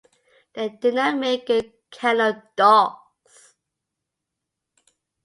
They do not make good kennel dogs.